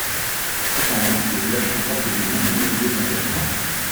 Cependant, le village comporte de nombreux lieux d'intérêt.